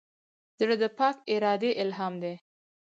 زړه د پاک ارادې الهام دی.